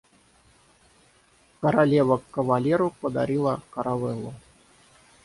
Королева кавалеру подарила каравеллу.